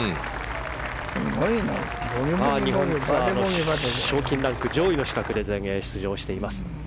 日本ツアーも賞金ランク上位の資格で全英出場しています。